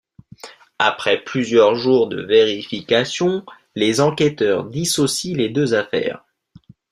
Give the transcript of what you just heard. Après plusieurs jours de vérification, les enquêteurs dissocient les deux affaires.